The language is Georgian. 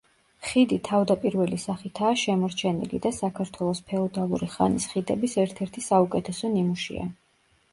ხიდი თავდაპირველი სახითაა შემორჩენილი და საქართველოს ფეოდალური ხანის ხიდების ერთ-ერთი საუკეთესო ნიმუშია.